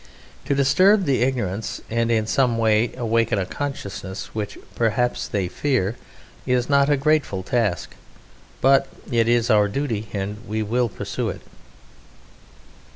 To disturb that ignorance, and in some to awake a consciousness which, perhaps, they fear, is not a grateful task, but it is our duty, and we will pursue it.